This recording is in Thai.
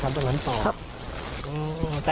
อ๋อแชมป์ตรงนั้นต่อ